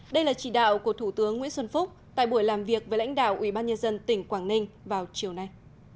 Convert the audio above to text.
đây là chỉ đạo của thủ tướng nguyễn xuân phúc tại buổi làm việc với lãnh đạo ubnd tỉnh quảng ninh vào chiều nay